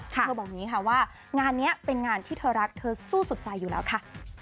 เธอบอกว่างานนี้เป็นงานที่เธอรักเธอสู้สุดใจอยู่แล้วค่ะ